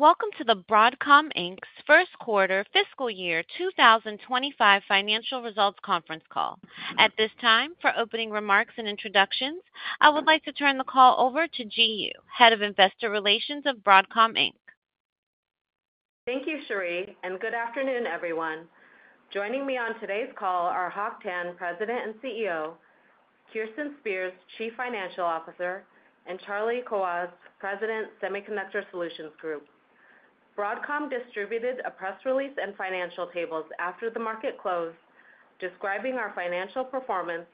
Welcome to the Broadcom Inc.'s first quarter, fiscal year 2025 financial results conference call. At this time, for opening remarks and introductions, I would like to turn the call over to Ji Yoo, Head of Investor Relations of Broadcom Inc. Thank you, Cherie, and good afternoon, everyone. Joining me on today's call are Hock Tan, President and CEO. Kirsten Spears, Chief Financial Officer. And Charlie Kawwas, President, Semiconductor Solutions Group. Broadcom distributed a press release and financial tables after the market closed, describing our financial performance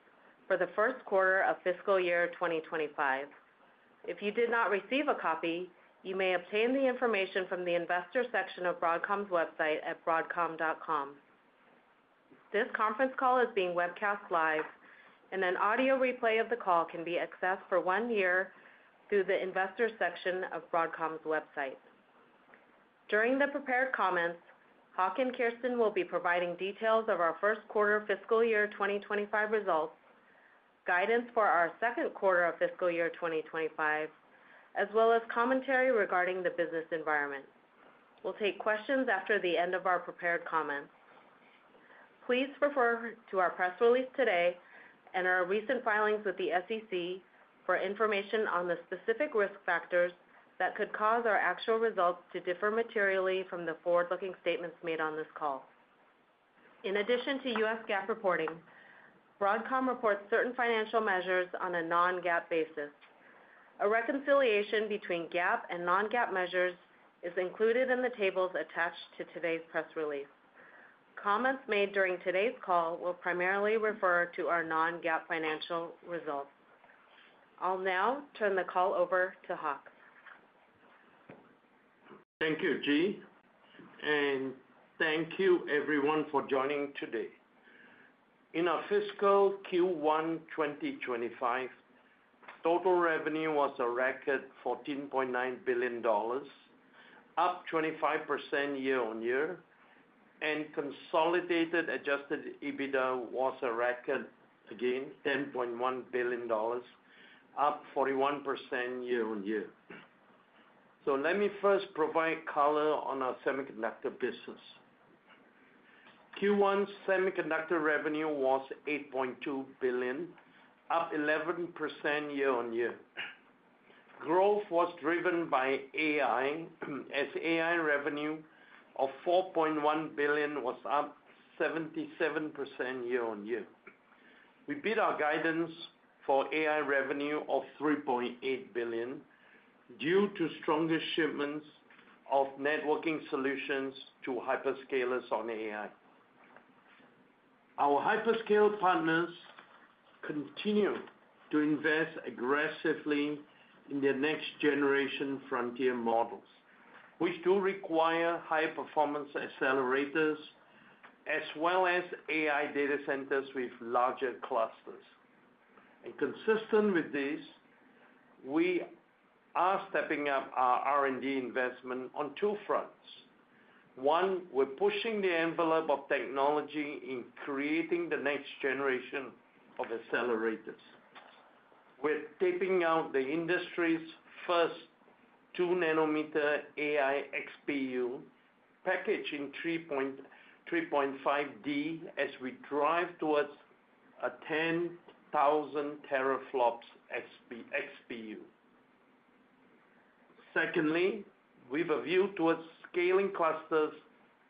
for the first quarter of fiscal year 2025. If you did not receive a copy, you may obtain the information from the investor section of Broadcom's website at broadcom.com. This conference call is being webcast live, and an audio replay of the call can be accessed for one year through the investor section of Broadcom's website. During the prepared comments, Hock and Kirsten will be providing details of our first quarter fiscal year 2025 results, guidance for our second quarter of fiscal year 2025, as well as commentary regarding the business environment. We'll take questions after the end of our prepared comments. Please refer to our press release today and our recent filings with the SEC for information on the specific risk factors that could cause our actual results to differ materially from the forward-looking statements made on this call. In addition to U.S. GAAP reporting, Broadcom reports certain financial measures on a non-GAAP basis. A reconciliation between GAAP and non-GAAP measures is included in the tables attached to today's press release. Comments made during today's call will primarily refer to our non-GAAP financial results. I'll now turn the call over to Hock. Thank you, Ji, and thank you, everyone, for joining today. In our fiscal Q1 2025, total revenue was a record $14.9 billion, up 25% year-on-year, and consolidated adjusted EBITDA was a record, again, $10.1 billion, up 41% year-on-year, so let me first provide color on our semiconductor business. Q1 semiconductor revenue was $8.2 billion, up 11% year-on-year. Growth was driven by AI, as AI revenue of $4.1 billion was up 77% year-on-year. We beat our guidance for AI revenue of $3.8 billion due to stronger shipments of networking solutions to hyperscalers on AI. Our hyperscale partners continue to invest aggressively in their next-generation frontier models, which do require high-performance accelerators, as well as AI data centers with larger clusters, and consistent with this, we are stepping up our R&D investment on two fronts. One, we're pushing the envelope of technology in creating the next generation of accelerators. We're tipping out the industry's first 2-nanometer AI XPU, packaged in 3.5D, as we drive towards a 10,000-teraflops XPU. Secondly, we have a view towards scaling clusters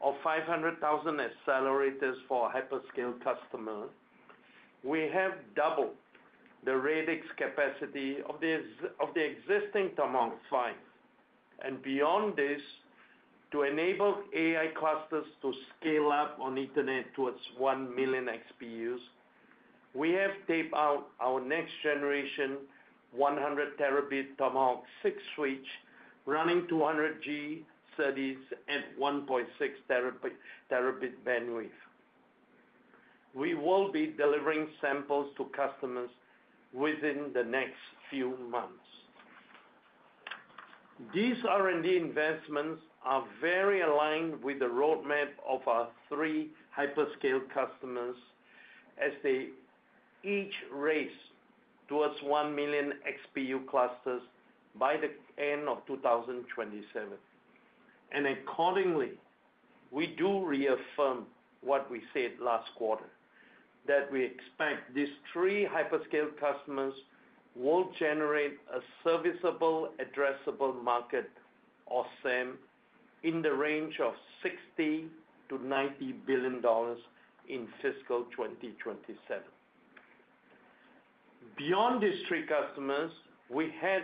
of 500,000 accelerators for our hyperscale customers. We have doubled the Radix capacity of the existing Tomahawk 5. And beyond this, to enable AI clusters to scale up on Ethernet towards 1 million XPUs, we have taped out our next-generation 100-terabit Tomahawk 6 switch running 200G studies at 1.6-terabit bandwidth. We will be delivering samples to customers within the next few months. These R&D investments are very aligned with the roadmap of our three hyperscale customers, as they each race towards 1 million XPU clusters by the end of 2027. Accordingly, we do reaffirm what we said last quarter, that we expect these three hyperscale customers will generate a serviceable, addressable market, or SAM, in the range of $60-$90 billion in fiscal 2027. Beyond these three customers, we had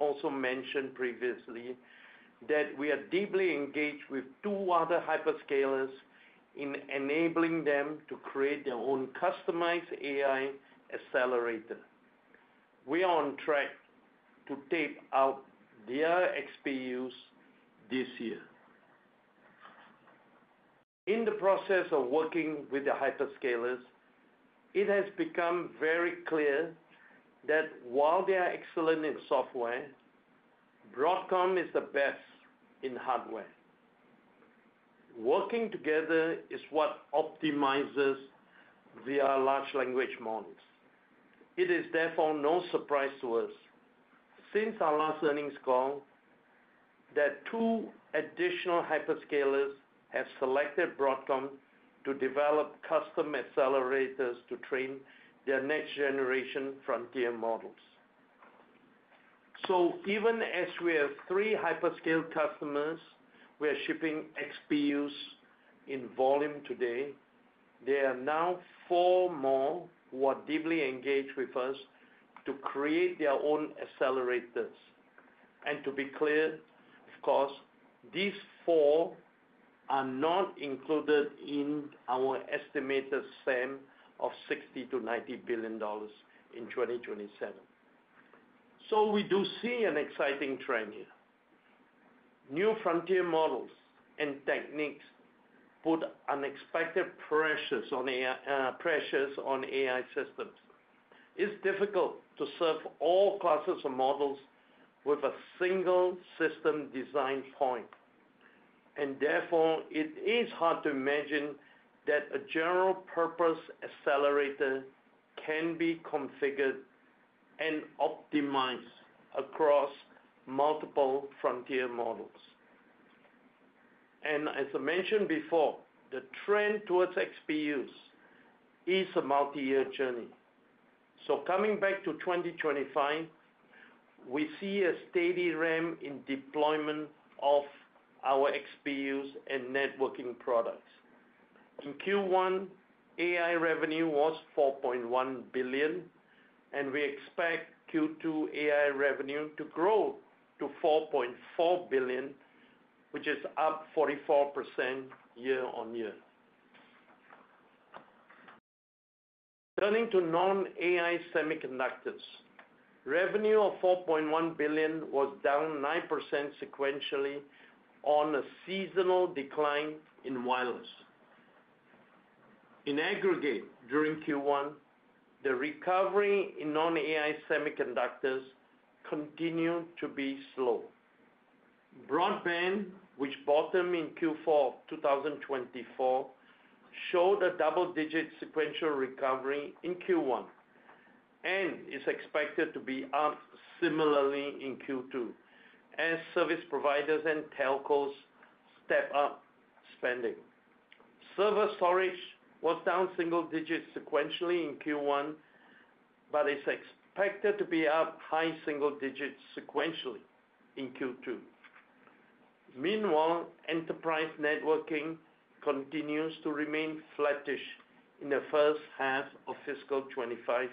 also mentioned previously that we are deeply engaged with two other hyperscalers in enabling them to create their own customized AI accelerator. We are on track to tape out their XPUs this year. In the process of working with the hyperscalers, it has become very clear that while they are excellent in software, Broadcom is the best in hardware. Working together is what optimizes their large language models. It is therefore no surprise to us, since our last earnings call, that two additional hyperscalers have selected Broadcom to develop custom accelerators to train their next-generation frontier models. So even as we have three hyperscale customers who are shipping XPUs in volume today, there are now four more who are deeply engaged with us to create their own accelerators. And to be clear, of course, these four are not included in our estimated SAM of $60-$90 billion in 2027. So we do see an exciting trend here. New frontier models and techniques put unexpected pressures on AI systems. It's difficult to serve all classes of models with a single system design point. And therefore, it is hard to imagine that a general-purpose accelerator can be configured and optimized across multiple frontier models. And as I mentioned before, the trend towards XPUs is a multi-year journey. So coming back to 2025, we see a steady ramp in deployment of our XPUs and networking products. In Q1, AI revenue was $4.1 billion, and we expect Q2 AI revenue to grow to $4.4 billion, which is up 44% year-on-year. Turning to non-AI semiconductors, revenue of $4.1 billion was down 9% sequentially on a seasonal decline in wireless. In aggregate, during Q1, the recovery in non-AI semiconductors continued to be slow. Broadband, which bottomed in Q4 2024, showed a double-digit sequential recovery in Q1 and is expected to be up similarly in Q2, as service providers and telcos step up spending. Server storage was down single digits sequentially in Q1, but is expected to be up high single digits sequentially in Q2. Meanwhile, enterprise networking continues to remain flattish in the first half of fiscal 2025,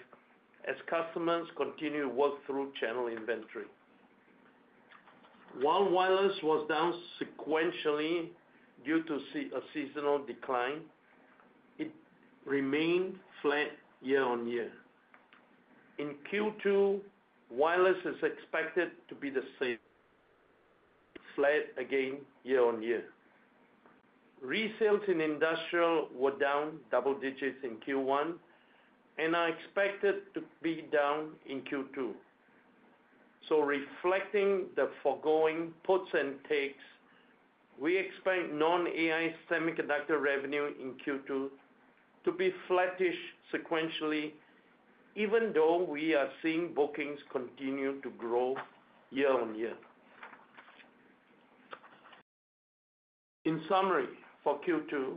as customers continue to work through channel inventory. While wireless was down sequentially due to a seasonal decline, it remained flat year-on-year. In Q2, wireless is expected to be the same, flat again year-on-year. Resales in industrial were down double digits in Q1 and are expected to be down in Q2, so reflecting the foregoing puts and takes, we expect non-AI semiconductor revenue in Q2 to be flattish sequentially, even though we are seeing bookings continue to grow year-on-year. In summary, for Q2,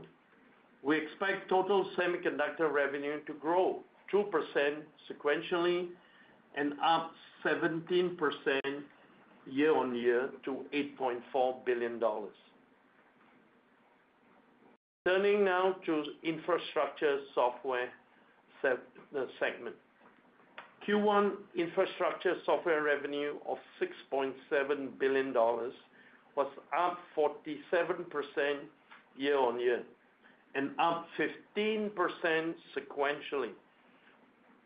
we expect total semiconductor revenue to grow 2% sequentially and up 17% year-on-year to $8.4 billion. Turning now to infrastructure software segment. Q1 infrastructure software revenue of $6.7 billion was up 47% year-on-year and up 15% sequentially,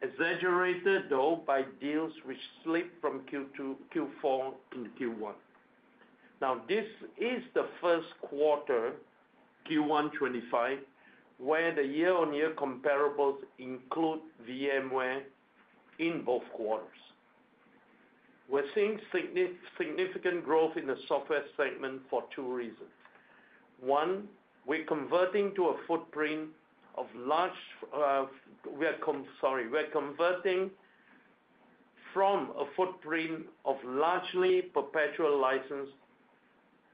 exaggerated, though, by deals which slipped from Q4 into Q1. Now, this is the first quarter, Q1 2025, where the year-on-year comparables include VMware in both quarters. We're seeing significant growth in the software segment for two reasons. One, we're converting from a footprint of largely perpetual license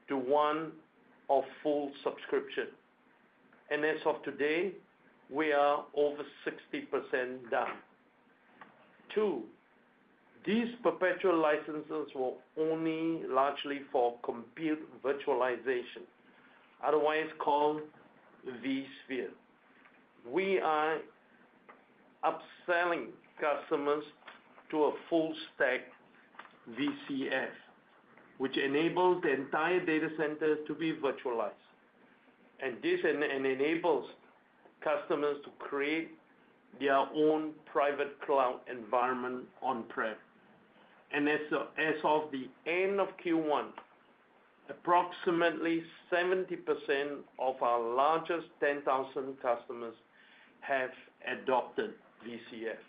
to one of full subscription. And as of today, we are over 60% done. Two, these perpetual licenses were only largely for compute virtualization, otherwise called vSphere. We are upselling customers to a full-stack VCF, which enables the entire data center to be virtualized. And this enables customers to create their own private cloud environment on-prem. And as of the end of Q1, approximately 70% of our largest 10,000 customers have adopted VCF.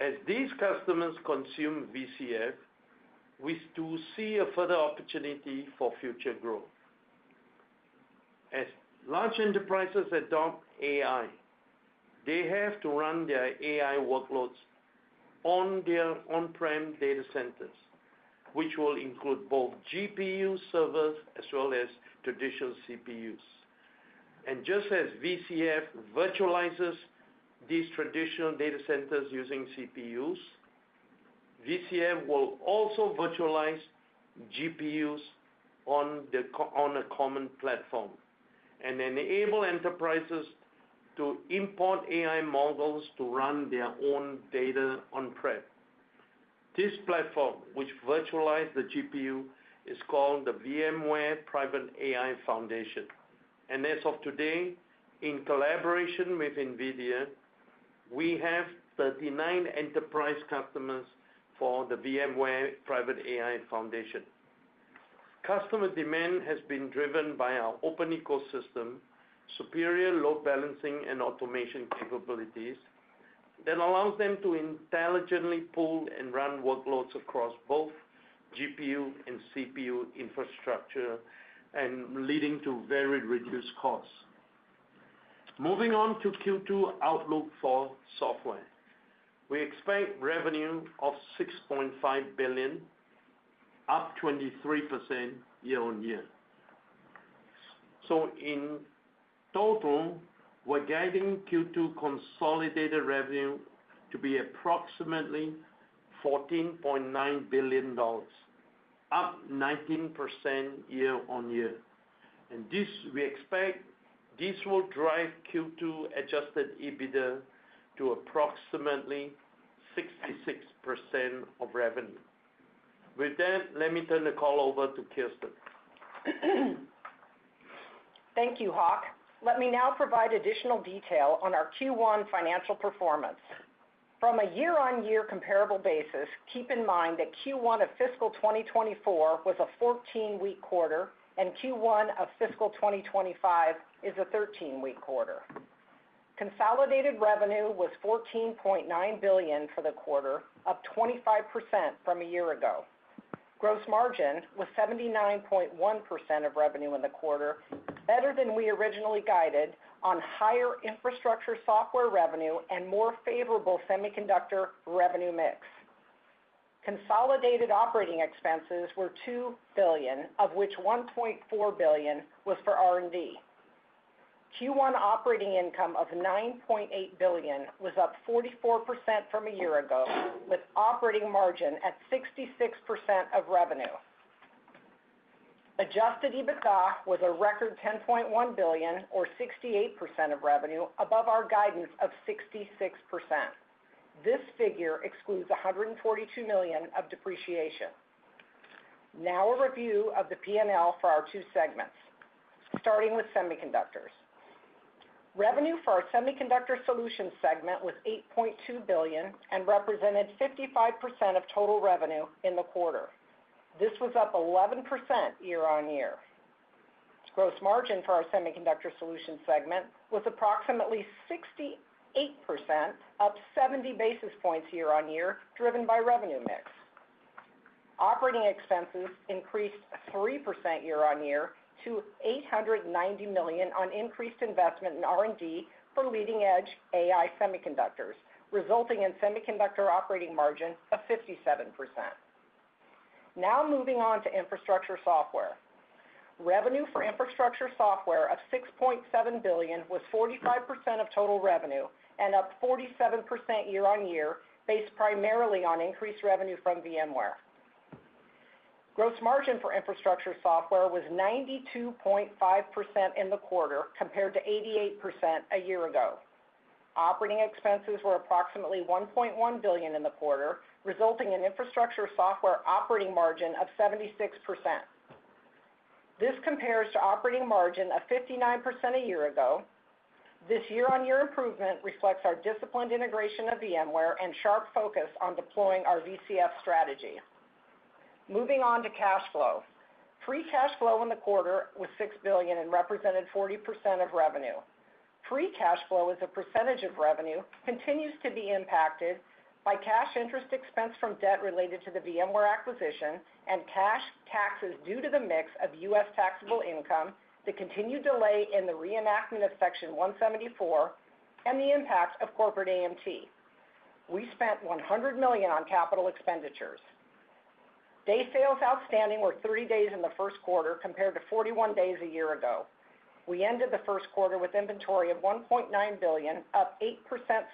As these customers consume VCF, we do see a further opportunity for future growth. As large enterprises adopt AI, they have to run their AI workloads on their on-prem data centers, which will include both GPU servers as well as traditional CPUs. Just as VCF virtualizes these traditional data centers using CPUs, VCF will also virtualize GPUs on a common platform and enable enterprises to import AI models to run their own data on-prem. This platform, which virtualizes the GPU, is called the VMware Private AI Foundation. And as of today, in collaboration with NVIDIA, we have 39 enterprise customers for the VMware Private AI Foundation. Customer demand has been driven by our open ecosystem, superior load balancing and automation capabilities that allows them to intelligently pull and run workloads across both GPU and CPU infrastructure, leading to very reduced costs. Moving on to Q2 outlook for software, we expect revenue of $6.5 billion, up 23% year-on-year. So in total, we're guiding Q2 consolidated revenue to be approximately $14.9 billion, up 19% year-on-year. And we expect this will drive Q2 adjusted EBITDA to approximately 66% of revenue. With that, let me turn the call over to Kirsten. Thank you, Hock. Let me now provide additional detail on our Q1 financial performance. From a year-on-year comparable basis, keep in mind that Q1 of fiscal 2024 was a 14-week quarter, and Q1 of fiscal 2025 is a 13-week quarter. Consolidated revenue was $14.9 billion for the quarter, up 25% from a year ago. Gross margin was 79.1% of revenue in the quarter, better than we originally guided on higher infrastructure software revenue and more favorable semiconductor revenue mix. Consolidated operating expenses were $2 billion, of which $1.4 billion was for R&D. Q1 operating income of $9.8 billion was up 44% from a year ago, with operating margin at 66% of revenue. Adjusted EBITDA was a record $10.1 billion, or 68% of revenue, above our guidance of 66%. This figure excludes $142 million of depreciation. Now a review of the P&L for our two segments, starting with semiconductors. Revenue for our semiconductor solutions segment was $8.2 billion and represented 55% of total revenue in the quarter. This was up 11% year-on-year. Gross margin for our semiconductor solutions segment was approximately 68%, up 70 basis points year-on-year, driven by revenue mix. Operating expenses increased 3% year-on-year to $890 million on increased investment in R&D for leading-edge AI semiconductors, resulting in semiconductor operating margin of 57%. Now moving on to infrastructure software. Revenue for infrastructure software of $6.7 billion was 45% of total revenue and up 47% year-on-year, based primarily on increased revenue from VMware. Gross margin for infrastructure software was 92.5% in the quarter, compared to 88% a year ago. Operating expenses were approximately $1.1 billion in the quarter, resulting in infrastructure software operating margin of 76%. This compares to operating margin of 59% a year ago. This year-on-year improvement reflects our disciplined integration of VMware and sharp focus on deploying our VCF strategy. Moving on to cash flow. Free cash flow in the quarter was $6 billion and represented 40% of revenue. Free cash flow, as a percentage of revenue, continues to be impacted by cash interest expense from debt related to the VMware acquisition and cash taxes due to the mix of U.S. taxable income, the continued delay in the reenactment of Section 174, and the impact of corporate AMT. We spent $100 million on capital expenditures. Days Sales Outstanding were 30 days in the first quarter, compared to 41 days a year ago. We ended the first quarter with inventory of $1.9 billion, up 8%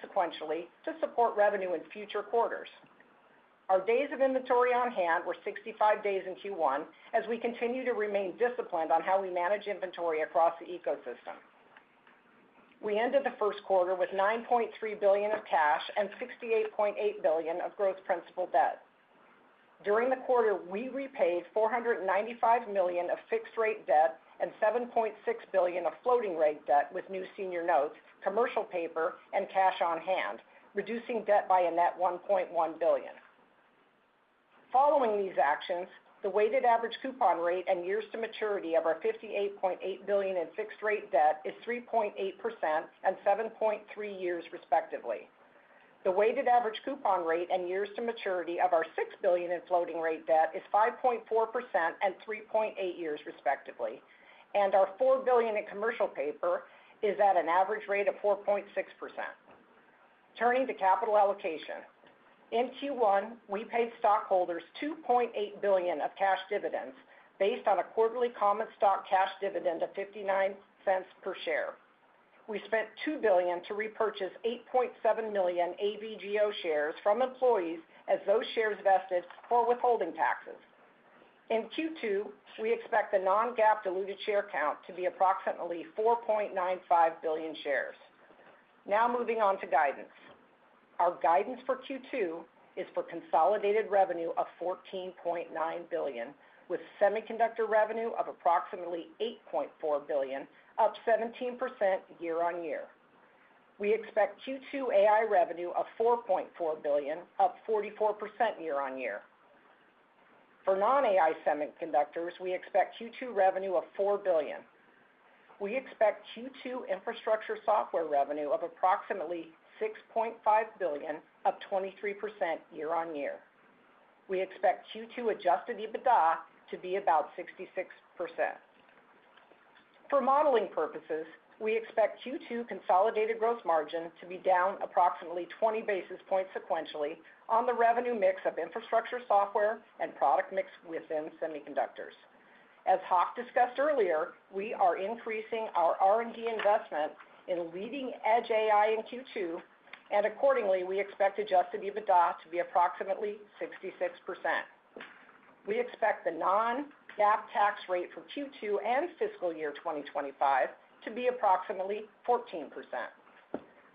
sequentially to support revenue in future quarters. Our days of inventory on hand were 65 days in Q1, as we continue to remain disciplined on how we manage inventory across the ecosystem. We ended the first quarter with $9.3 billion of cash and $68.8 billion of gross principal debt. During the quarter, we repaid $495 million of fixed-rate debt and $7.6 billion of floating-rate debt with new senior notes, commercial paper, and cash on hand, reducing debt by a net $1.1 billion. Following these actions, the weighted average coupon rate and years to maturity of our $58.8 billion in fixed-rate debt is 3.8% and 7.3 years, respectively. The weighted average coupon rate and years to maturity of our $6 billion in floating-rate debt is 5.4% and 3.8 years, respectively, and our $4 billion in commercial paper is at an average rate of 4.6%. Turning to capital allocation. In Q1, we paid stockholders $2.8 billion of cash dividends based on a quarterly common stock cash dividend of $0.59 per share. We spent $2 billion to repurchase 8.7 million AVGO shares from employees as those shares vested for withholding taxes. In Q2, we expect the non-GAAP diluted share count to be approximately 4.95 billion shares. Now moving on to guidance. Our guidance for Q2 is for consolidated revenue of $14.9 billion, with semiconductor revenue of approximately $8.4 billion, up 17% year-on-year. We expect Q2 AI revenue of $4.4 billion, up 44% year-on-year. For non-AI semiconductors, we expect Q2 revenue of $4 billion. We expect Q2 infrastructure software revenue of approximately $6.5 billion, up 23% year-on-year. We expect Q2 adjusted EBITDA to be about 66%. For modeling purposes, we expect Q2 consolidated gross margin to be down approximately 20 basis points sequentially on the revenue mix of infrastructure software and product mix within semiconductors. As Hock discussed earlier, we are increasing our R&D investment in leading-edge AI in Q2, and accordingly, we expect adjusted EBITDA to be approximately 66%. We expect the non-GAAP tax rate for Q2 and fiscal year 2025 to be approximately 14%.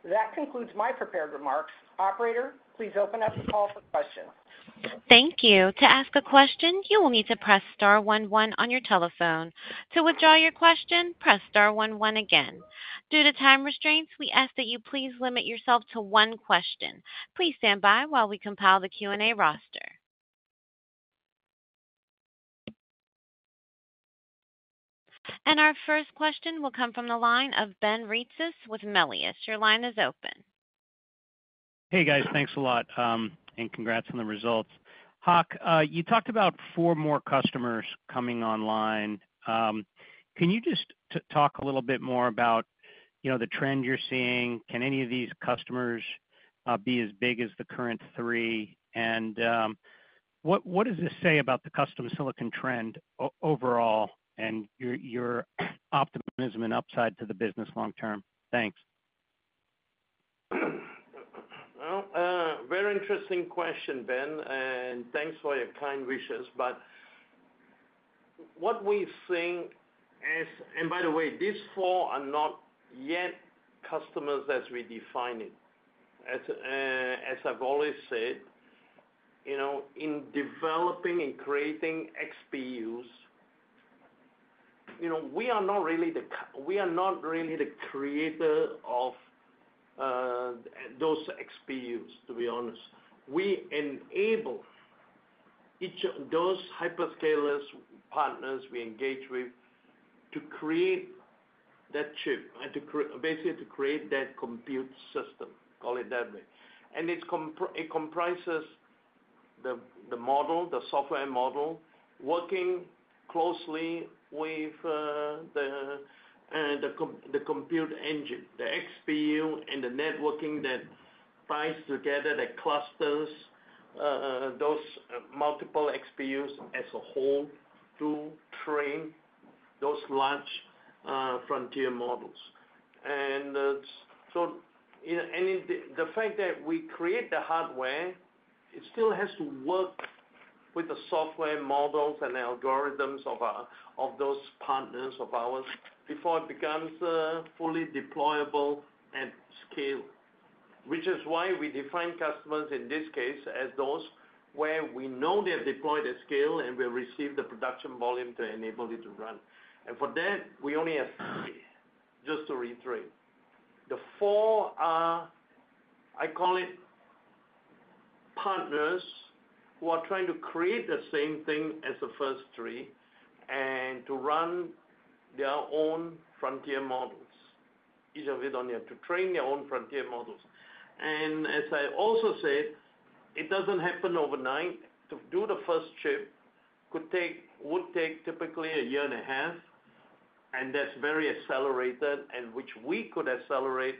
That concludes my prepared remarks. Operator, please open up the call for questions. Thank you. To ask a question, you will need to press star 11 on your telephone. To withdraw your question, press star 11 again. Due to time restraints, we ask that you please limit yourself to one question. Please stand by while we compile the Q&A roster. And our first question will come from the line of Ben Reitzes with Melius. Your line is open. Hey, guys. Thanks a lot, and congrats on the results. Hock, you talked about four more customers coming online. Can you just talk a little bit more about the trend you're seeing? Can any of these customers be as big as the current three? And what does this say about the custom silicon trend overall and your optimism and upside to the business long-term? Thanks. Well, very interesting question, Ben, and thanks for your kind wishes. But what we're seeing is, and by the way, these four are not yet customers as we define it. As I've always said, in developing and creating XPUs, we are not really the creator of those XPUs, to be honest. We enable those hyperscalers' partners we engage with to create that chip, basically to create that compute system, call it that way. And it comprises the software model working closely with the compute engine, the XPU, and the networking that ties together the clusters, those multiple XPUs as a whole to train those large frontier models. And so the fact that we create the hardware, it still has to work with the software models and algorithms of those partners of ours before it becomes fully deployable at scale, which is why we define customers in this case as those where we know they're deployed at scale and we receive the production volume to enable it to run. And for that, we only have three, just to reiterate. The four are, I call it, partners who are trying to create the same thing as the first three and to run their own frontier models. Each of them don't have to train their own frontier models. And as I also said, it doesn't happen overnight. To do the first chip would take typically a year and a half, and that's very accelerated, which we could accelerate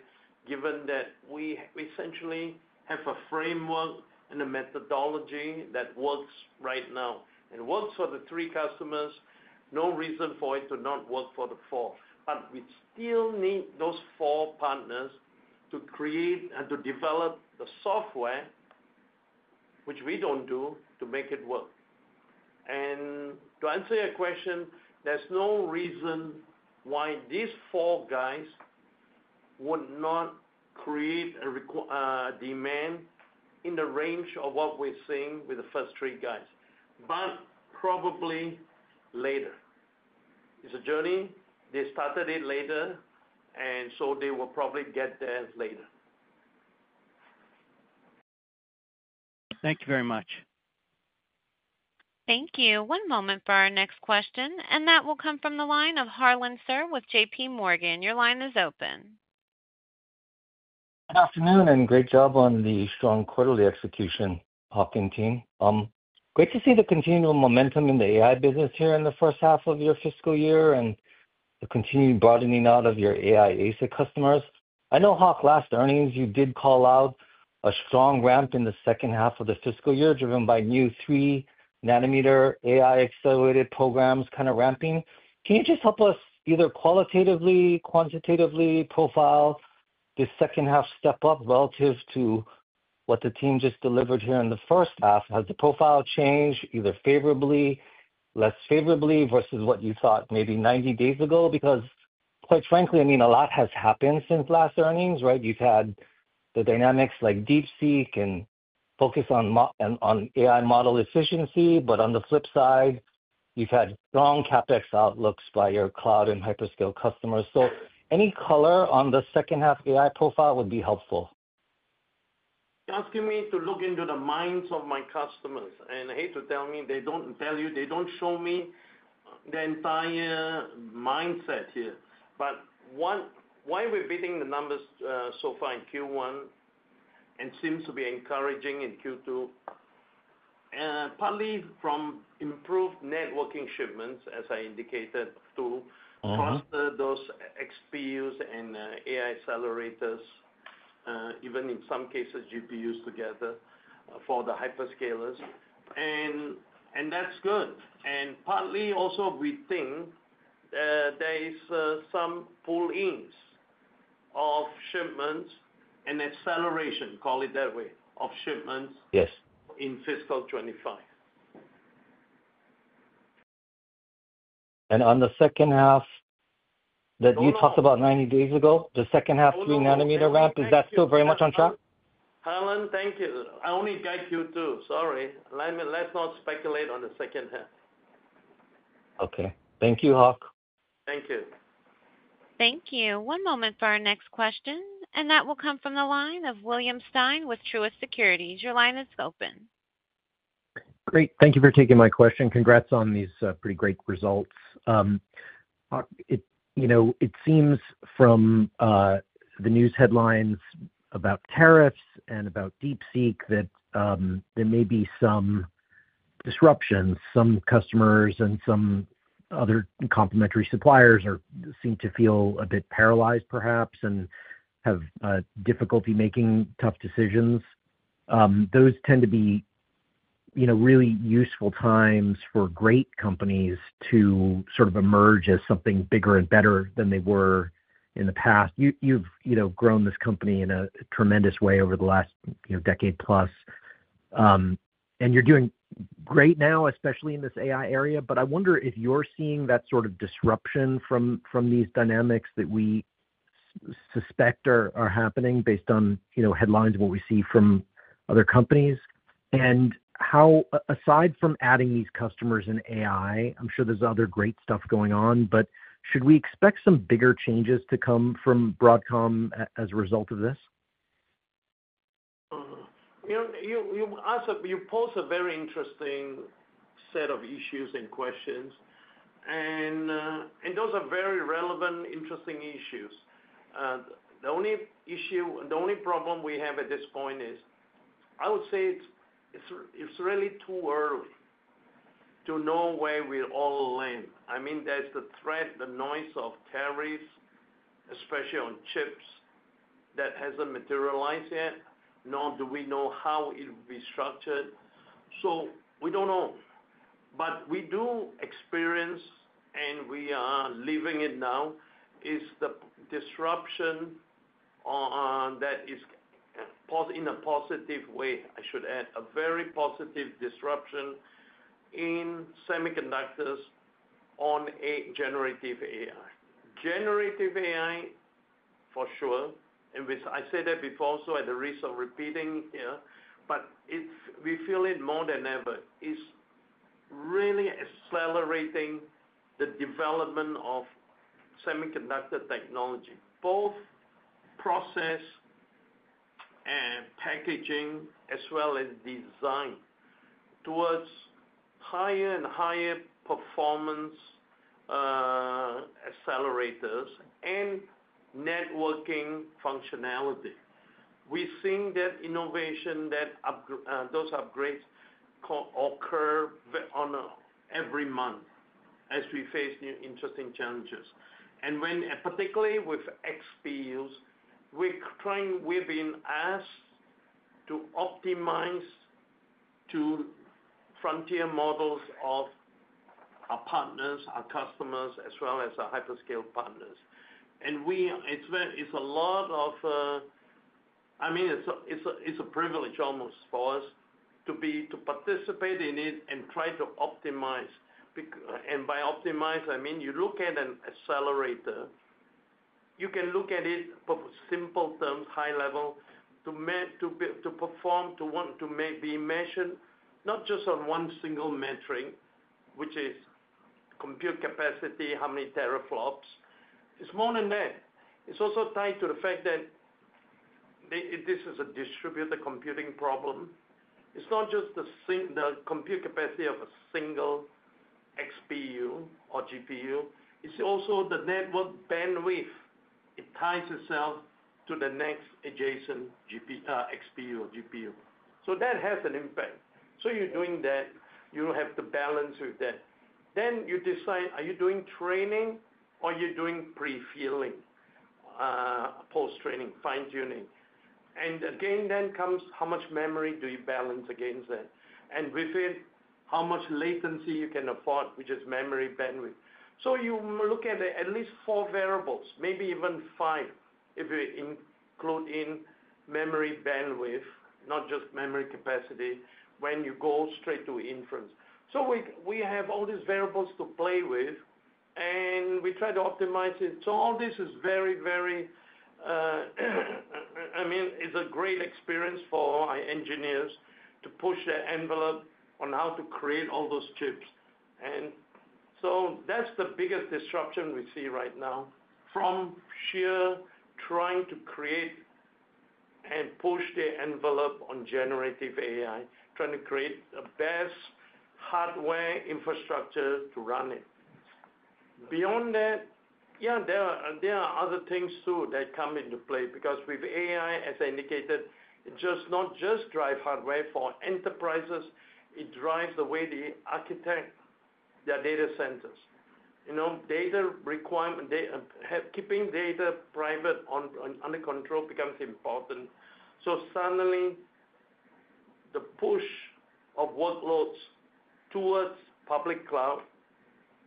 given that we essentially have a framework and a methodology that works right now. It works for the three customers. No reason for it to not work for the four. But we still need those four partners to create and to develop the software, which we don't do, to make it work. And to answer your question, there's no reason why these four guys would not create a demand in the range of what we're seeing with the first three guys, but probably later. It's a journey. They started it later, and so they will probably get there later. Thank you very much. Thank you. One moment for our next question, and that will come from the line of Harlan Sur with J.P. Morgan. Your line is open. Good afternoon and great job on the strong quarterly execution, Hock and team. Great to see the continual momentum in the AI business here in the first half of your fiscal year and the continued broadening out of your AI ASIC customers. I know, Hock, last earnings you did call out a strong ramp in the second half of the fiscal year driven by new three-nanometer AI accelerated programs kind of ramping. Can you just help us either qualitatively, quantitatively profile this second-half step up relative to what the team just delivered here in the first half? Has the profile changed either favorably, less favorably versus what you thought maybe 90 days ago? Because quite frankly, I mean, a lot has happened since last earnings, right? You've had the dynamics like DeepSeek and focus on AI model efficiency, but on the flip side, you've had strong CapEx outlooks by your cloud and hyperscale customers, so any color on the second-half AI profile would be helpful, asking me to look into the minds of my customers, and I hate to tell you, they don't show me the entire mindset here, but why we're beating the numbers so far in Q1 and seems to be encouraging in Q2. Partly from improved networking shipments, as I indicated, to cluster those XPUs and AI accelerators, even in some cases GPUs together for the hyperscalers, and that's good, and partly also we think there is some pull-ins of shipments and acceleration, call it that way, of shipments in fiscal 2025. On the second half that you talked about 90 days ago, the second half 3-nanometer ramp, is that still very much on track? Harlan, thank you. I only got Q2. Sorry. Let's not speculate on the second half. Okay. Thank you, Hock. Thank you. Thank you. One moment for our next question, and that will come from the line of William Stein with Truist Securities. Your line is open. Great. Thank you for taking my question. Congrats on these pretty great results. It seems from the news headlines about tariffs and about DeepSeek that there may be some disruptions. Some customers and some other complementary suppliers seem to feel a bit paralyzed, perhaps, and have difficulty making tough decisions. Those tend to be really useful times for great companies to sort of emerge as something bigger and better than they were in the past. You've grown this company in a tremendous way over the last decade-plus, and you're doing great now, especially in this AI area. But I wonder if you're seeing that sort of disruption from these dynamics that we suspect are happening based on headlines, what we see from other companies, and aside from adding these customers in AI, I'm sure there's other great stuff going on, but should we expect some bigger changes to come from Broadcom as a result of this? You pose a very interesting set of issues and questions, and those are very relevant, interesting issues. The only problem we have at this point is, I would say it's really too early to know where we all land. I mean, there's the threat, the noise of tariffs, especially on chips, that hasn't materialized yet. Nor do we know how it will be structured, so we don't know. But we do experience, and we are living it now, is the disruption that is in a positive way, I should add. A very positive disruption in semiconductors on generative AI. Generative AI, for sure. And I said that before also, at the risk of repeating here, but we feel it more than ever. It's really accelerating the development of semiconductor technology, both process and packaging, as well as design, towards higher and higher performance accelerators and networking functionality. We're seeing that innovation, those upgrades occur every month as we face new interesting challenges. And particularly with XPUs, we've been asked to optimize to frontier models of our partners, our customers, as well as our hyperscale partners. And it's a lot of, I mean, it's a privilege almost for us to participate in it and try to optimize. To optimize, I mean you look at an accelerator. You can look at it for simple terms, high level, to perform. You want to make the dimension not just on one single metric, which is compute capacity, how many teraflops. It's more than that. It's also tied to the fact that this is a distributed computing problem. It's not just the compute capacity of a single XPU or GPU. It's also the network bandwidth. It ties itself to the next adjacent XPU or GPU, so that has an impact, so you're doing that. You have to balance with that, then you decide, are you doing training or you're doing pre-training, post-training, fine-tuning, and again, then comes how much memory do you balance against that, and with it, how much latency you can afford, which is memory bandwidth. You look at at least four variables, maybe even five if you include in memory bandwidth, not just memory capacity when you go straight to inference. So we have all these variables to play with, and we try to optimize it. So all this is very, very, I mean, it's a great experience for our engineers to push their envelope on how to create all those chips. And so that's the biggest disruption we see right now from sheer trying to create and push the envelope on generative AI, trying to create the best hardware infrastructure to run it. Beyond that, yeah, there are other things too that come into play because with AI, as I indicated, it does not just drive hardware for enterprises. It drives the way they architect their data centers. Keeping data private under control becomes important. So suddenly, the push of workloads towards public cloud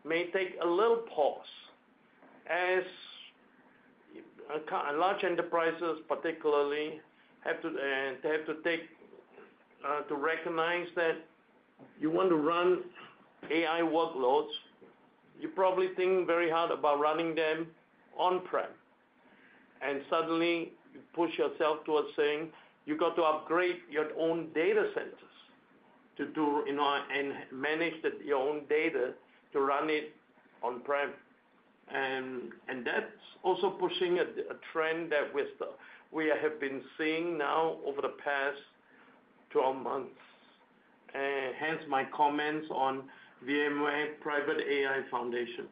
may take a little pause as large enterprises, particularly, have to take to recognize that you want to run AI workloads. You probably think very hard about running them on-prem. And suddenly, you push yourself towards saying, "You got to upgrade your own data centers to do and manage your own data to run it on-prem." And that's also pushing a trend that we have been seeing now over the past 12 months. Hence my comments on VMware Private AI Foundation.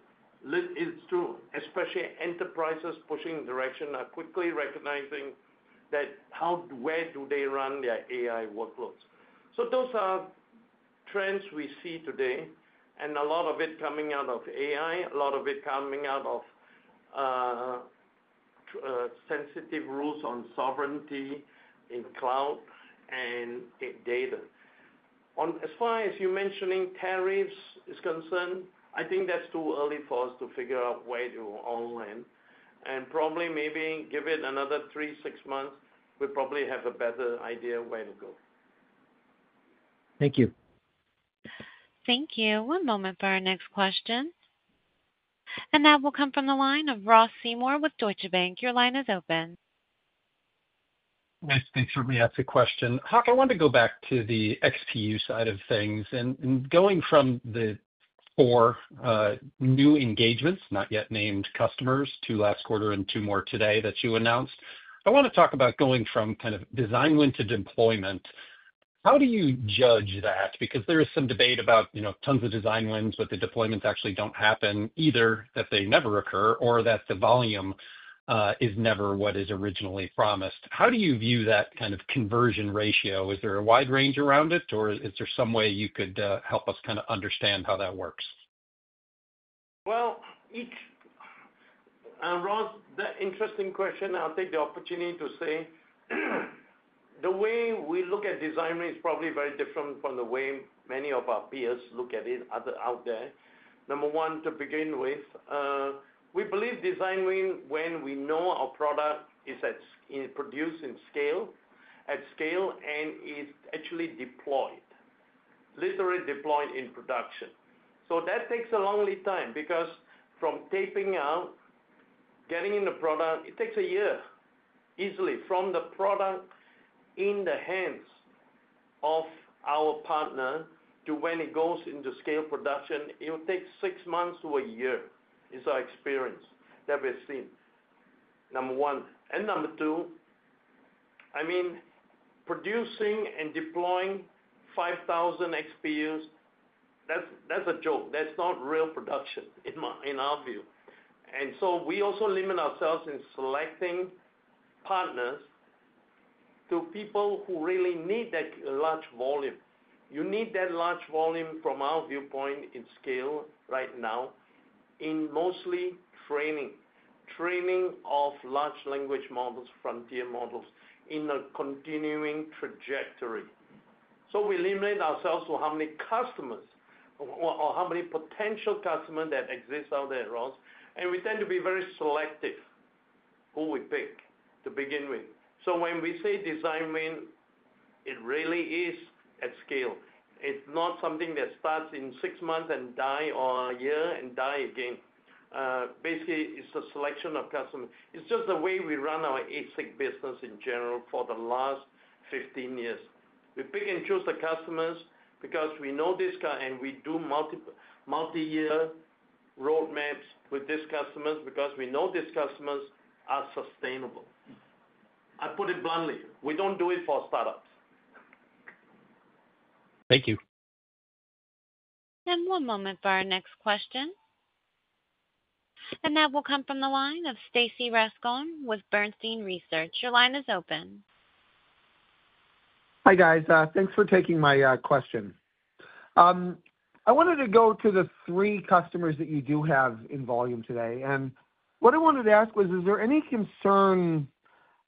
It's true, especially enterprises pushing direction are quickly recognizing where do they run their AI workloads. So those are trends we see today, and a lot of it coming out of AI, a lot of it coming out of sensitive rules on sovereignty in cloud and in data. As far as your mentioning tariffs is concerned, I think that's too early for us to figure out where it'll all land. And probably maybe give it another three, six months, we probably have a better idea of where it's going. Thank you. Thank you. One moment for our next question. And that will come from the line of Ross Seymore with Deutsche Bank. Your line is open. Nice to meet you. Thanks for asking the question. Hock, I want to go back to the XPU side of things. And going from the four new engagements, not yet named customers, two last quarter and two more today that you announced, I want to talk about going from kind of design win to deployment. How do you judge that? Because there is some debate about tons of design wins, but the deployments actually don't happen either, that they never occur, or that the volume is never what is originally promised. How do you view that kind of conversion ratio? Is there a wide range around it, or is there some way you could help us kind of understand how that works? Ross, that's an interesting question. I'll take the opportunity to say the way we look at design win is probably very different from the way many of our peers look at it out there. Number one, to begin with, we believe design win when we know our product is produced at scale and is actually deployed, literally deployed in production. So that takes a long time. Because from taping out, getting in the product, it takes a year easily from the product in the hands of our partner to when it goes into scale production. It will take six months to a year, is our experience that we've seen. Number one. And number two, I mean, producing and deploying 5,000 XPUs, that's a joke. That's not real production in our view. And so we also limit ourselves in selecting partners to people who really need that large volume. You need that large volume from our viewpoint in scale right now in mostly training, training of large language models, frontier models in a continuing trajectory. So we limit ourselves to how many customers or how many potential customers that exist out there, Ross. And we tend to be very selective who we pick to begin with. So when we say design win, it really is at scale. It's not something that starts in six months and die or a year and die again. Basically, it's a selection of customers. It's just the way we run our ASIC business in general for the last 15 years. We pick and choose the customers because we know this guy and we do multi-year roadmaps with these customers because we know these customers are sustainable. I put it bluntly. We don't do it for startups. Thank you. One moment for our next question. That will come from the line of Stacy Rasgon with Bernstein Research. Your line is open. Hi guys. Thanks for taking my question. I wanted to go to the three customers that you do have in volume today. What I wanted to ask was, is there any concern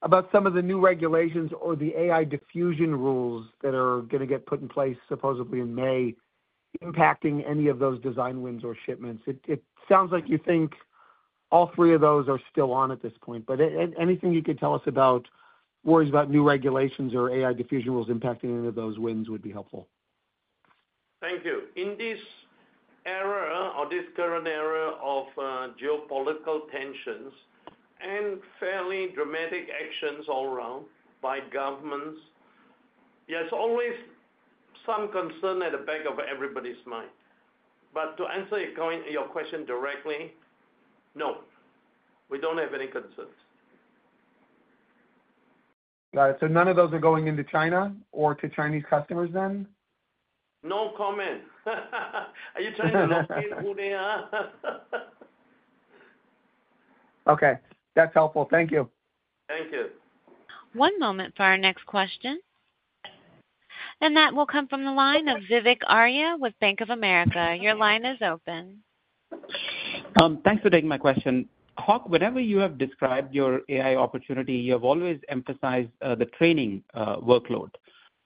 about some of the new regulations or the AI diffusion rules that are going to get put in place supposedly in May impacting any of those design wins or shipments? It sounds like you think all three of those are still on at this point. But anything you could tell us about worries about new regulations or AI diffusion rules impacting any of those wins would be helpful. Thank you. In this era or this current era of geopolitical tensions and fairly dramatic actions all around by governments, there's always some concern at the back of everybody's mind. But to answer your question directly, no. We don't have any concerns. Got it. So none of those are going into China or to Chinese customers then? No comment. Are you trying to locate who they are? Okay. That's helpful. Thank you. Thank you. One moment for our next question. And that will come from the line of Vivek Arya with Bank of America. Your line is open. Thanks for taking my question. Hock, whenever you have described your AI opportunity, you have always emphasized the training workload.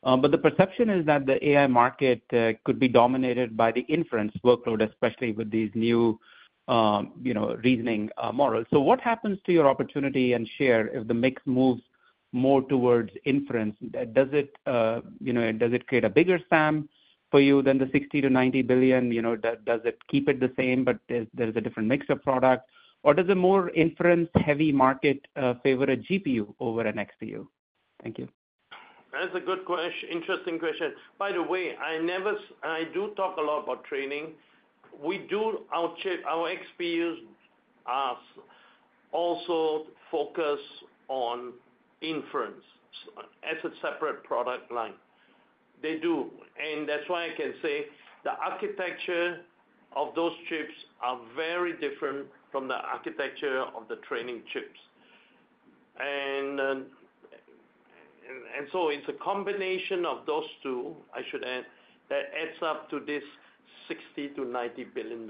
But the perception is that the AI market could be dominated by the inference workload, especially with these new reasoning models. So what happens to your opportunity and share if the mix moves more toward inference? Does it create a bigger SAM for you than the $60-$90 billion? Does it keep it the same, but there's a different mix of product? Or does a more inference-heavy market favor a GPU over an XPU? Thank you. That's a good question. Interesting question. By the way, I do talk a lot about training. Our XPUs also focus on inference as a separate product line. They do. And that's why I can say the architecture of those chips are very different from the architecture of the training chips. And so it's a combination of those two, I should add, that adds up to this $60-$90 billion.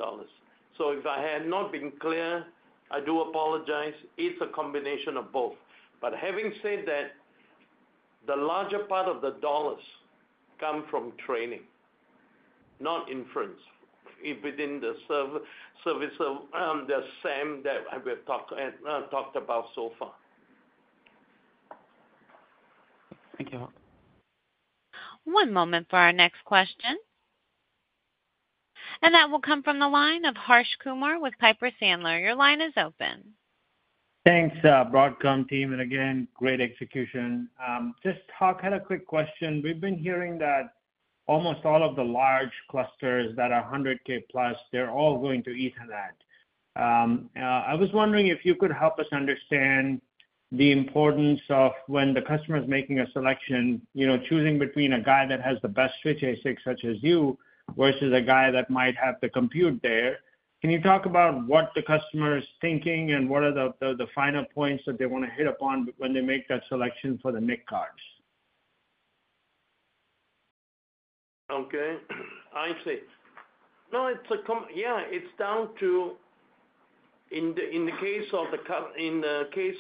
So if I have not been clear, I do apologize. It's a combination of both. But having said that, the larger part of the dollars come from training, not inference within the service of the SAM that we've talked about so far. Thank you. One moment for our next question. That will come from the line of Harsh Kumar with Piper Sandler. Your line is open. Thanks, Broadcom team. Again, great execution. Just Hock, I had a quick question. We've been hearing that almost all of the large clusters that are 100K plus, they're all going to Ethernet. I was wondering if you could help us understand the importance of when the customer is making a selection, choosing between a guy that has the best switch ASIC such as you versus a guy that might have the compute there. Can you talk about what the customer is thinking and what are the final points that they want to hit upon when they make that selection for the NIC cards? Okay. I see. No, yeah, it's down to in the case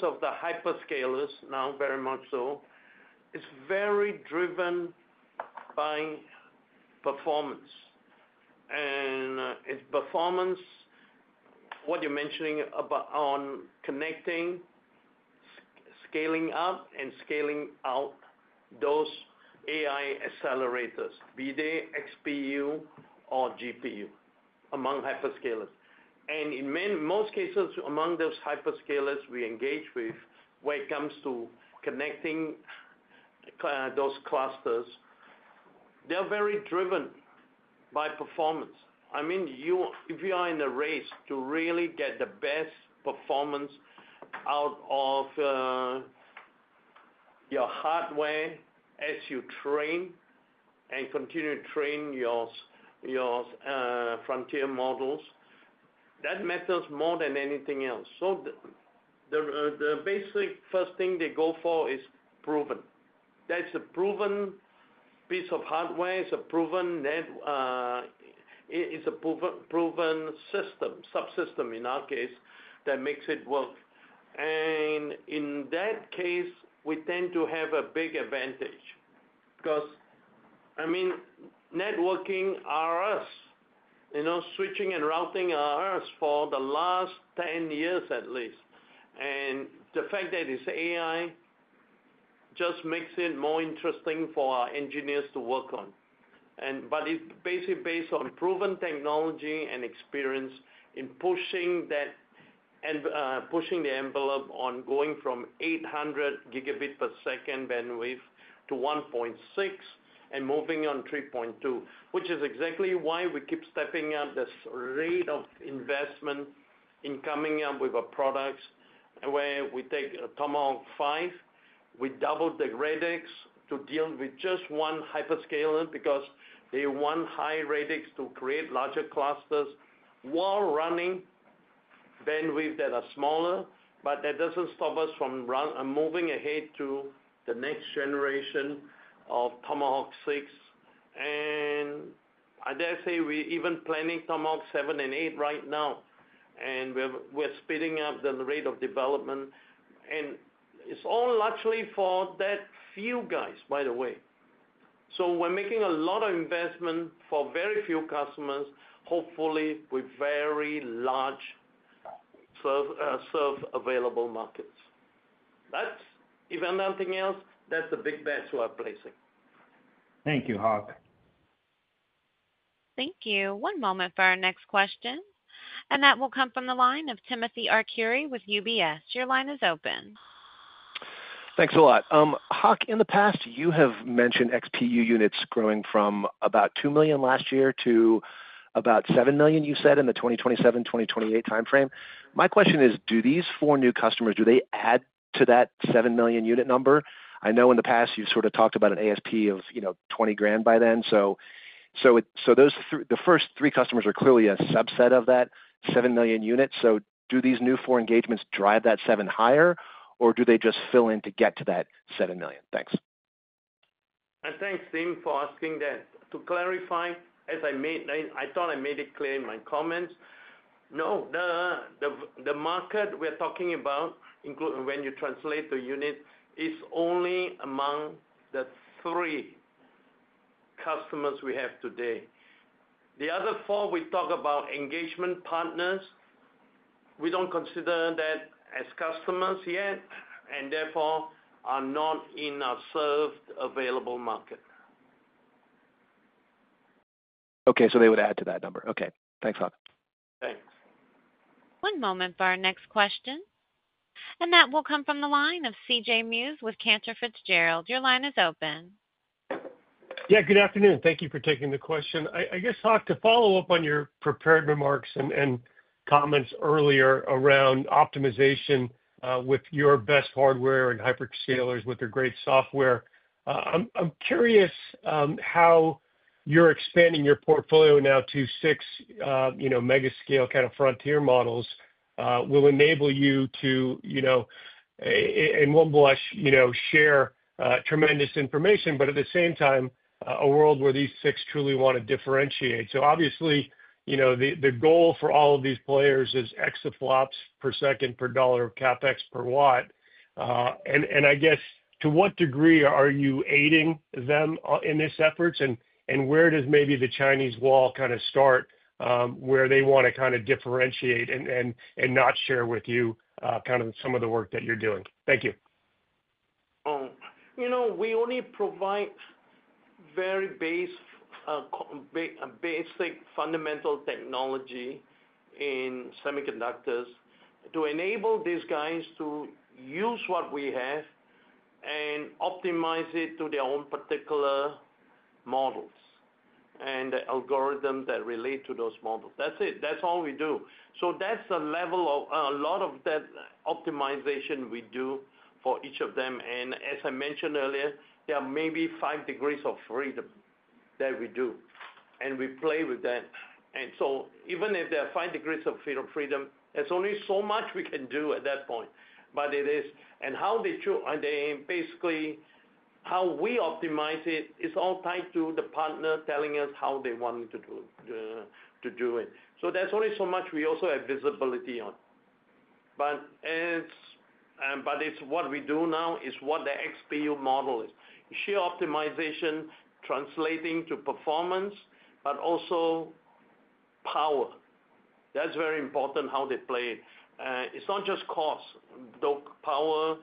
of the hyperscalers, not very much so, it's very driven by performance. And it's performance, what you're mentioning about on connecting, scaling up, and scaling out those AI accelerators, be they XPU or GPU among hyperscalers. In most cases among those hyperscalers we engage with when it comes to connecting those clusters, they're very driven by performance. I mean, if you are in a race to really get the best performance out of your hardware as you train and continue to train your frontier models, that matters more than anything else. The basic first thing they go for is proven. That's a proven piece of hardware. It's a proven system, subsystem in our case that makes it work. In that case, we tend to have a big advantage because, I mean, networking ASICs, switching and routing ASICs for the last 10 years at least. The fact that it's AI just makes it more interesting for our engineers to work on. But it's basically based on proven technology and experience in pushing the envelope on going from 800 gigabit per second bandwidth to 1.6 and moving on 3.2, which is exactly why we keep stepping up the rate of investment in coming up with a product where we take Tomahawk 5, we double the radix to deal with just one hyperscaler because they want high radix to create larger clusters while running bandwidth that are smaller. But that doesn't stop us from moving ahead to the next generation of Tomahawk 6. And I dare say we're even planning Tomahawk 7 and 8 right now. And we're speeding up the rate of development. And it's all largely for that few guys, by the way. So we're making a lot of investment for very few customers, hopefully with very large serviceable addressable markets. If anything else, that's the big bets we are placing. Thank you, Hock. Thank you. One moment for our next question, and that will come from the line of Timothy Arcuri with UBS. Your line is open. Thanks a lot. Hock, in the past, you have mentioned XPU units growing from about 2 million last year to about 7 million, you said, in the 2027, 2028 timeframe. My question is, do these four new customers, do they add to that 7 million unit number? I know in the past you've sort of talked about an ASP of $20,000 by then. So the first three customers are clearly a subset of that 7 million unit. So do these new four engagements drive that 7 higher, or do they just fill in to get to that 7 million? Thanks, and thanks, Tim, for asking that. To clarify, as I thought I made it clear in my comments, no, the market we're talking about, when you translate the unit, is only among the three customers we have today. The other four, we talk about engagement partners, we don't consider that as customers yet, and therefore are not in our serviceable addressable market. Okay. So they would add to that number. Okay. Thanks, Hock. Thanks. One moment for our next question. And that will come from the line of CJ Muse with Cantor Fitzgerald. Your line is open. Yeah. Good afternoon. Thank you for taking the question. I guess, Hock, to follow up on your prepared remarks and comments earlier around optimization with your best hardware and hyperscalers with their great software, I'm curious how you're expanding your portfolio now to six megascale kind of frontier models will enable you to, in one fell swoop, share tremendous information, but at the same time, a world where these six truly want to differentiate, so obviously, the goal for all of these players is ExaFLOPS per second per dollar of CapEx per watt, and I guess, to what degree are you aiding them in this effort? And where does maybe the Chinese wall kind of start where they want to kind of differentiate and not share with you kind of some of the work that you're doing? Thank you. We only provide very basic fundamental technology in semiconductors to enable these guys to use what we have and optimize it to their own particular models and the algorithms that relate to those models. That's it. That's all we do, so that's the level of a lot of that optimization we do for each of them, and as I mentioned earlier, there are maybe five degrees of freedom that we do, and we play with that, and so even if there are five degrees of freedom, there's only so much we can do at that point, but it is, and how they basically, how we optimize it, is all tied to the partner telling us how they want to do it, so there's only so much we also have visibility on, but it's what we do now is what the XPU model is. Share optimization translating to performance, but also power. That's very important how they play it. It's not just cost. Power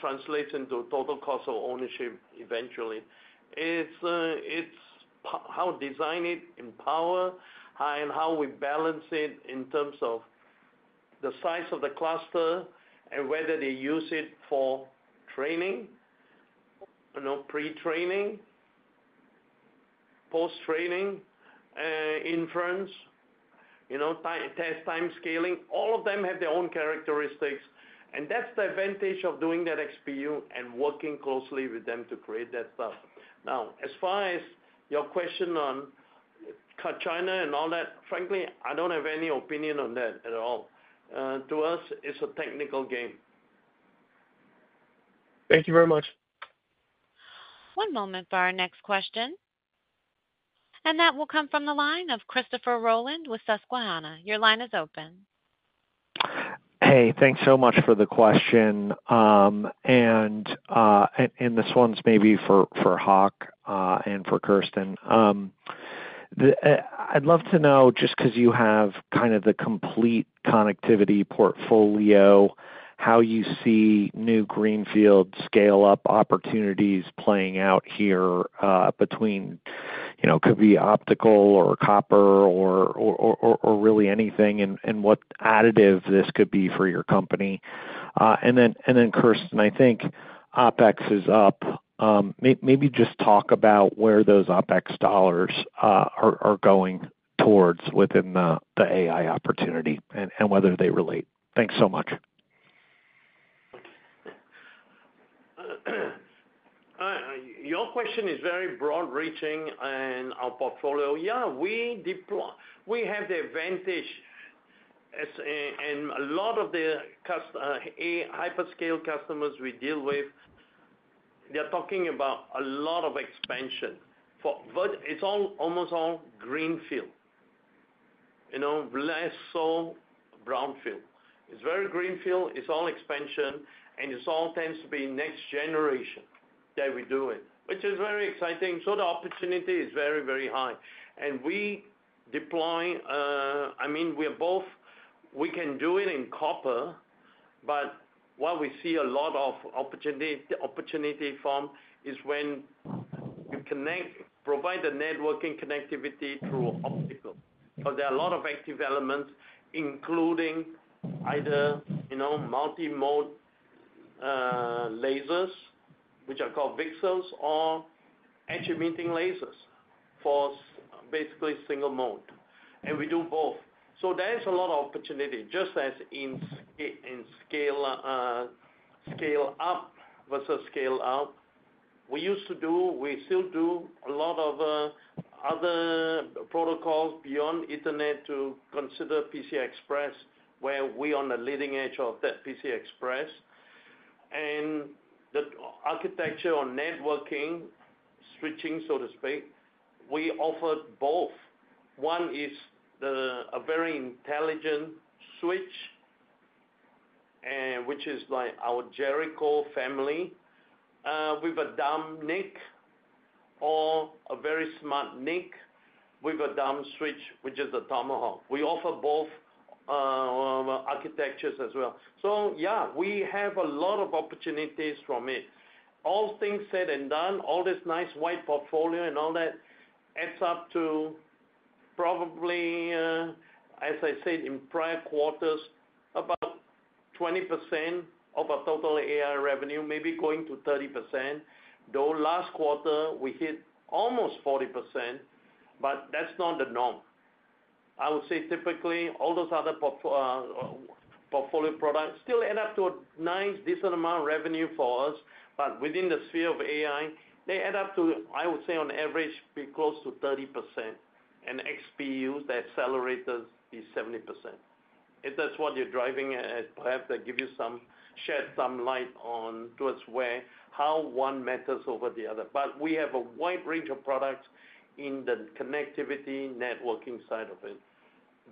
translates into total cost of ownership eventually. It's how design it in power and how we balance it in terms of the size of the cluster and whether they use it for training, pre-training, post-training, inference, test time scaling. All of them have their own characteristics. And that's the advantage of doing that XPU and working closely with them to create that stuff. Now, as far as your question on China and all that, frankly, I don't have any opinion on that at all. To us, it's a technical game. Thank you very much. One moment for our next question. And that will come from the line of Christopher Rolland with Susquehanna. Your line is open. Hey, thanks so much for the question. And this one's maybe for Hock and for Kirsten. I'd love to know, just because you have kind of the complete connectivity portfolio, how you see new greenfield scale-up opportunities playing out here between could be optical or copper or really anything and what additive this could be for your company. And then, Kirsten, I think OpEx is up. Maybe just talk about where those OpEx dollars are going towards within the AI opportunity and whether they relate. Thanks so much. Your question is very broad reaching and our portfolio. Yeah, we have the advantage. And a lot of the hyperscale customers we deal with, they're talking about a lot of expansion. But it's almost all greenfield. Less so brownfield. It's very greenfield. It's all expansion. And it all tends to be next-generation that we do it, which is very exciting. So the opportunity is very, very high. And we deploy. I mean, we can do it in copper, but what we see a lot of opportunity from is when you provide the networking connectivity through optical. So there are a lot of active elements, including either multi-mode lasers, which are called VCSELs, or edge-emitting lasers for basically single mode. And we do both. So there's a lot of opportunity. Just as in scale-up versus scale-out, we used to do, we still do a lot of other protocols beyond Ethernet to consider PCI Express, where we are on the leading edge of that PCI Express. And the architecture or networking switching, so to speak, we offer both. One is a very intelligent switch, which is like our Jericho family with a dumb NIC or a very smart NIC with a dumb switch, which is a Tomahawk. We offer both architectures as well. So yeah, we have a lot of opportunities from it. All things said and done, all this nice wide portfolio and all that adds up to probably, as I said in prior quarters, about 20% of our total AI revenue, maybe going to 30%. Though last quarter, we hit almost 40%, but that's not the norm. I would say typically, all those other portfolio products still add up to a nice decent amount of revenue for us, but within the sphere of AI, they add up to, I would say on average, be close to 30%. And XPUs, the accelerators, be 70%. If that's what you're driving, perhaps that gives you some shed some light on towards where how one matters over the other. But we have a wide range of products in the connectivity networking side of it.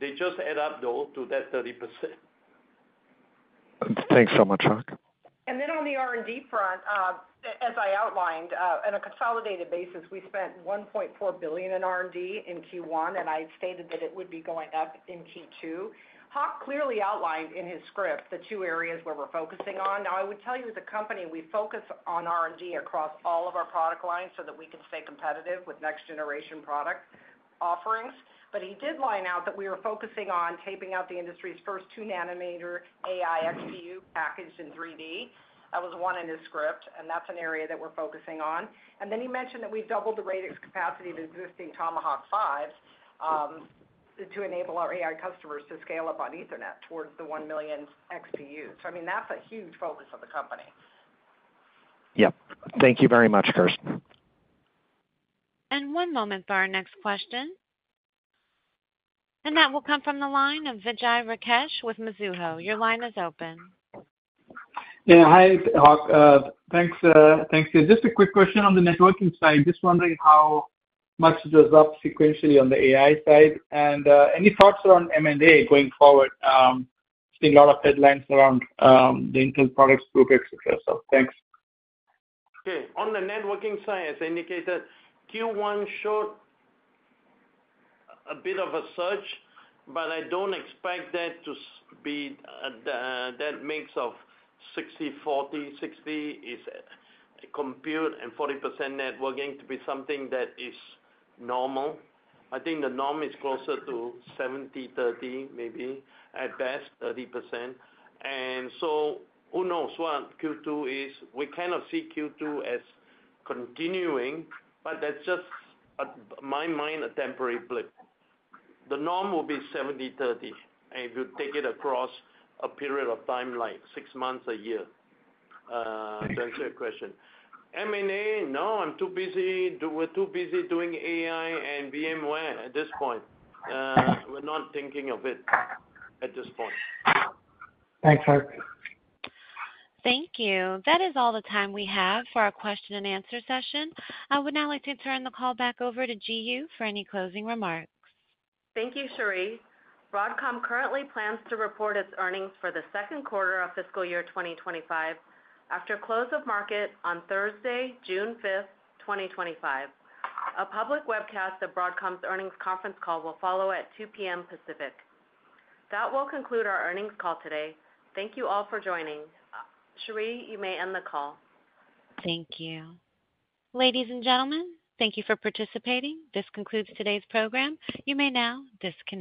They just add up, though, to that 30%. Thanks so much, Hock. And then on the R&D front, as I outlined, on a consolidated basis, we spent $1.4 billion in R&D in Q1, and I stated that it would be going up in Q2. Hock clearly outlined in his script the two areas where we're focusing on. Now, I would tell you, as a company, we focus on R&D across all of our product lines so that we can stay competitive with next-generation product offerings. But he did line out that we were focusing on taping out the industry's first 2-nanometer AI XPU packaged in 3D. That was one in his script, and that's an area that we're focusing on. And then he mentioned that we've doubled the radix capacity of existing Tomahawk 5s to enable our AI customers to scale up on Ethernet towards the one million XPUs. So I mean, that's a huge focus of the company. Yep. Thank you very much, Kirsten. And one moment for our next question. And that will come from the line of Vijay Rakesh with Mizuho. Your line is open. Yeah. Hi, Hock. Thanks, Tim. Just a quick question on the networking side. Just wondering how much is up sequentially on the AI side and any thoughts around M&A going forward? I've seen a lot of headlines around the Intel product group, etc. So thanks. Okay. On the networking side, as I indicated, Q1 showed a bit of a surge, but I don't expect that to be that mix of 60-40, 60% compute and 40% networking to be something that is normal. I think the norm is closer to 70-30, maybe at best 30%. And so who knows what Q2 is? We kind of see Q2 as continuing, but that's just, in my mind, a temporary blip. The norm will be 70, 30. And if you take it across a period of time, like six months, a year, to answer your question. M&A, no, I'm too busy. We're too busy doing AI and VMware at this point. We're not thinking of it at this point. Thanks, Hock. Thank you. That is all the time we have for our question-and-answer session. I would now like to turn the call back over to Ji Yoo for any closing remarks. Thank you, Cherie. Broadcom currently plans to report its earnings for the second quarter of fiscal year 2025 after close of market on Thursday, June 5th, 2025. A public webcast of Broadcom's earnings conference call will follow at 2:00 P.M. Pacific. That will conclude our earnings call today. Thank you all for joining. Cherie, you may end the call. Thank you. Ladies and gentlemen, thank you for participating. This concludes today's program. You may now disconnect.